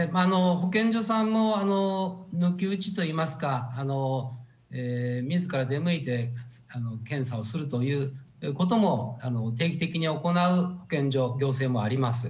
保健所さんも抜き打ちといいますか、みずから出向いて検査をするということも、定期的に行う保健所、行政もあります。